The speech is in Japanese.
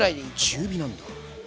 中火なんだ。